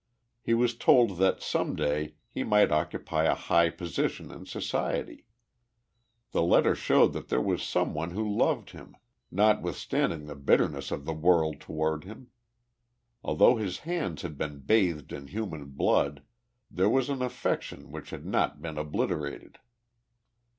He was told that some day he might occupy a high position in society. The letter showed that there was some one who loved him, notwithstanding the bitterness of the world toward him. Although his hands had been bathed in human blood there was an affection which had not been obliterated.